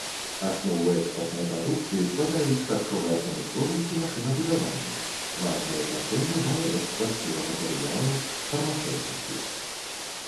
Аснову экспартнай прадукцыі складаюць харчовая прамысловасць і машынабудаванне, важнае значэнне мае экспарт піламатэрыялаў, фармацэўтыкі.